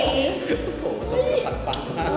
ผู้โภคสมก็ปัน